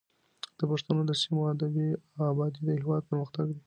د پښتنو د سیمو ابادي د هېواد پرمختګ دی.